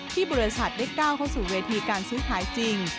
ที่บริษัทได้ก้าวเข้าสู่เวทีการซื้อขายจริง